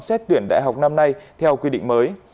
xét tuyển đại học năm nay theo quy định mới